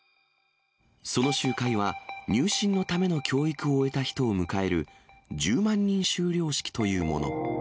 その集会は、入信のための教育を終えた人を迎える１０万人修了式というもの。